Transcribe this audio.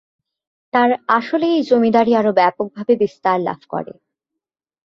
তার আমলেই এই জমিদারী আরো ব্যাপকভাবে বিস্তার লাভ করে।